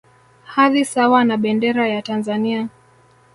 Hadhi sawa na Bendera ya Tanzania